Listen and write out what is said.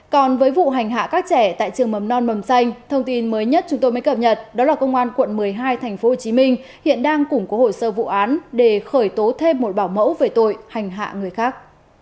còn với vụ hành hạ các trẻ tại trường mầm non mầm xanh thông tin mới nhất chúng tôi mới cập nhật đó là công an quận một mươi hai tp hcm hiện đang củng cố hồ sơ vụ án để khởi tố thêm một bảo mẫu về tội hành hạ người khác